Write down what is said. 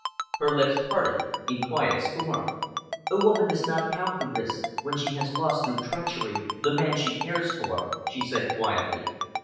Her lips parted in quiet scorn. "A woman does not count the risks, when she has lost, through treachery, the man she cares for," she said quietly.